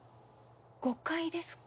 誤解ですか？